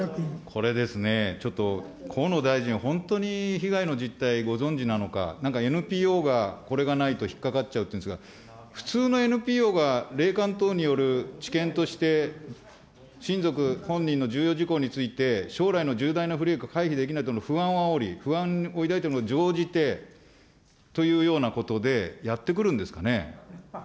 これですね、ちょっと河野大臣、本当に被害の実態、ご存じなのか、なんかＮＰＯが、これがないと、引っかかっちゃうっていうんですが、普通のＮＰＯが、霊感等による知見として、親族、本人の重要事項について、将来の重大な不利益を回避できないとの不安をあおり、不安を抱いているのに乗じてというようなことでやってくるんですかね。